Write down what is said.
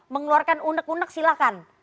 mengeluarkan undeg undeg silakan